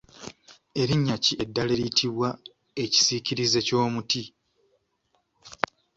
Erinnya ki eddala eriyitibwa ekisiikirize ky’omuti?